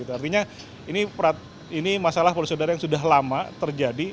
artinya ini masalah polusi udara yang sudah lama terjadi